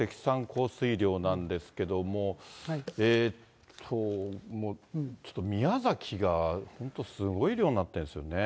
降水量なんですけれども、ちょっと宮崎が本当すごい量になってるんですよね。